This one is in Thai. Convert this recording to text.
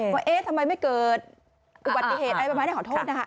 เอ๊ะทำไมไม่เกิดอุบัติเหตุอะไรแบบนี้ขอโทษนะครับ